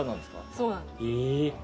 そうなんです。